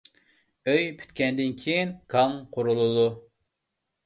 ئۆي پۈتكەندىن كېيىن كاڭ قۇرۇلىدۇ.